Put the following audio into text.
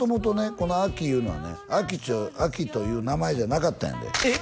このあきいうのはねあきという名前じゃなかったんやでえっ！？